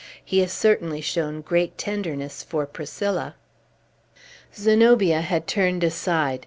He has certainly shown great tenderness for Priscilla." Zenobia had turned aside.